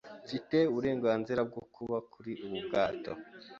Mfite uburenganzira bwo kuba kuri ubu bwato.